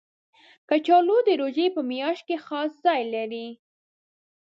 کچالو د روژې په میاشت کې خاص ځای لري